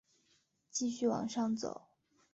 继续往上走